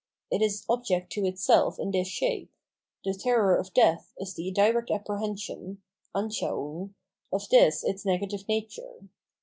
It is object to itself in this shape ; the terror of death is the direct apprehension (Anschauung) of this its negative nature.